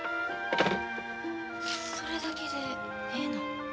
それだけでええの？